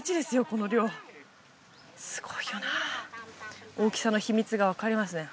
この量すごいよな大きさの秘密が分かりますね